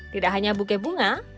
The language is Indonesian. tidak hanya buket bunga